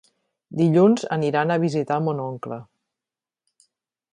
Dilluns aniran a visitar mon oncle.